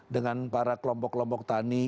dengan para kelompok kelompok tani